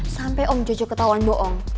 sampai om jojo ketahuan bohong